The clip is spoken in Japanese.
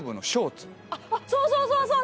そうそうそうそう！